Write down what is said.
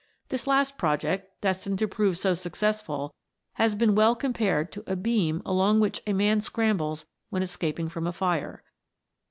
This last project, destined to prove so successful, has been well compared to a beam along which a man scrambles when escaping from a fire.